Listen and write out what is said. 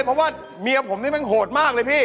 เพราะว่าเมียผมนี่มันโหดมากเลยพี่